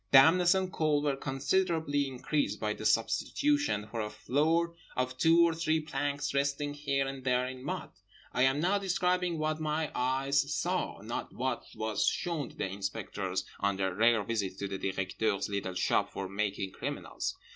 Dampness and cold were considerably increased by the substitution, for a floor, of two or three planks resting here and there in mud. I am now describing what my eyes saw, not what was shown to the inspectors on their rare visits to the Directeur's little shop for making criminals.